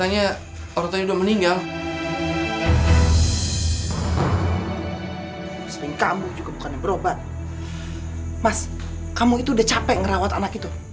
yaudah mas kalo kayak gitu